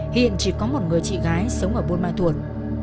hiện chỉ có một người chị gái sống ở bồn mạc thuật